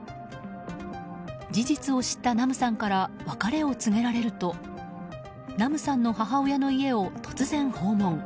事実を知ったナムさんから別れを告げられるとナムさんの母親の家を突然、訪問。